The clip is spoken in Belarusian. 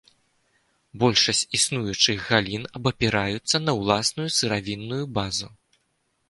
Большасць існуючых галін абапіраюцца на ўласную сыравінную базу.